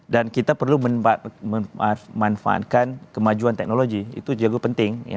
dan kita perlu memanfaatkan kemajuan teknologi itu juga penting